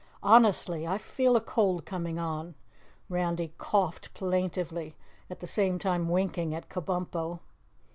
"Honestly, I feel a cold coming on." Randy coughed plaintively, at the same time winking at Kabumpo.